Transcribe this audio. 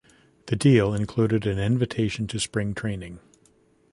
The deal included an invitation to spring training.